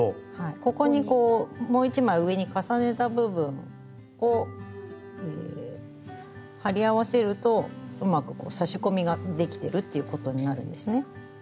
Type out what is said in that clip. ここにこうもう１枚上に重ねた部分を貼り合わせるとうまく差し込みができてるっていうことになるんですね。